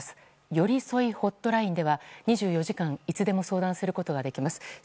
よりそいホットラインでは２４時間いつでも相談することができます。